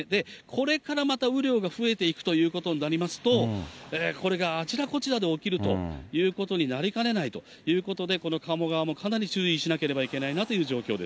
これからまた雨量が増えていくということになりますと、これが、あちらこちらで起きるということになりかねないということで、このかもがわもかなり注意しないといけないなという状況です。